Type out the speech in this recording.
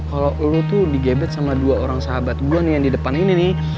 kalo lo tuh di gebet sama dua orang sahabat gue nih yang di depan ini nih